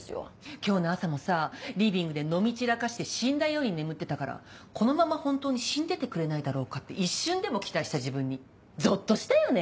今日の朝もさぁリビングで飲み散らかして死んだように眠ってたからこのまま本当に死んでてくれないだろうかって一瞬でも期待した自分にゾッとしたよね？